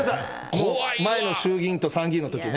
前の衆議院と参議院のときにね。